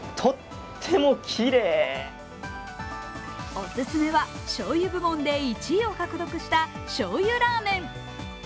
お勧めはしょうゆ部門で１位を獲得した醤油ラーメン。